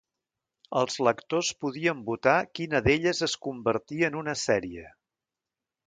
Els lectors podien votar quina d'elles es convertia en una sèrie.